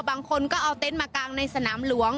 บางคนก็เอาเต็นต์มากางในสนามหลวง